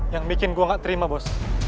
yang bikin gue gak terima bos